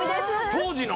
当時の？